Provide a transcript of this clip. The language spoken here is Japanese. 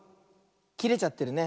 きれちゃってるね。